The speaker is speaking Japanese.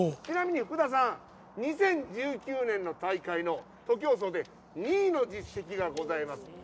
ちなみに福田さん２０１９年の大会の徒競走で２位の実績がございます。